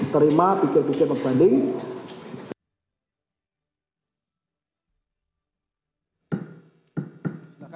terima pikir pikir membanding